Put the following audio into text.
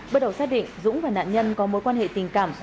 bắt đầu xét định dũng và nạn nhân có mối quan hệ tình cảm